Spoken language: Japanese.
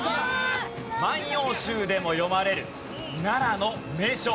『万葉集』でも詠まれる奈良の名所。